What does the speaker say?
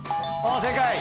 正解！